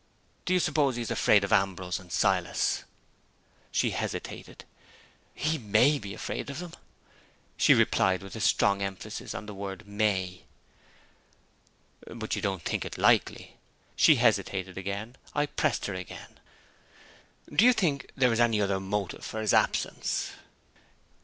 "Do you suppose he is afraid of Ambrose and Silas?" She hesitated. "He may be afraid of them," she replied, with a strong emphasis on the word "may." "But you don't think it likely?" She hesitated again. I pressed her again. "Do you think there is any other motive for his absence?"